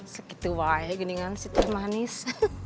sekitu wae gini kan situ manis